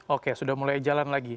oke sudah mulai jalan lagi